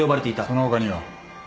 その他には？